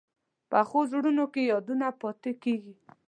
پخو زړونو کې یادونه پاتې کېږي